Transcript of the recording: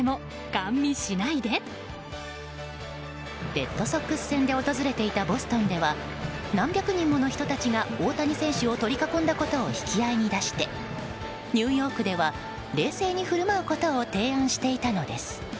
レッドソックス戦で訪れていたボストンでは何百人もの人たちが大谷選手を取り囲んだことを引き合いに出してニューヨークでは冷静に振る舞うことを提案していたのです。